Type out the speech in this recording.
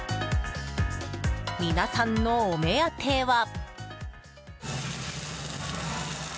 皆さんのお目当ては。